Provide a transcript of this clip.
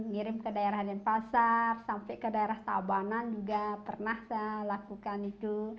ngirim ke daerah denpasar sampai ke daerah tabanan juga pernah saya lakukan itu